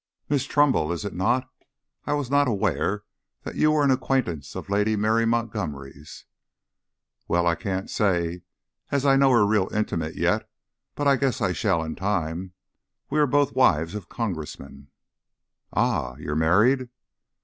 "Miss Trumbull, is it not? I was not aware that you were an acquaintance of Lady Mary Montgomery's." "Well, I can't say as I know her real intimate yet, but I guess I shall in time, as we're both wives of Congressmen." "Ah? You are married?"